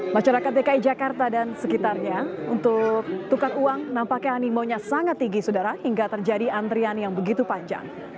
masyarakat dki jakarta dan sekitarnya untuk tukar uang nampaknya animonya sangat tinggi saudara hingga terjadi antrian yang begitu panjang